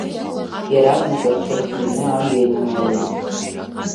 Иаразнак рҽырхианы амҩа инанылеит.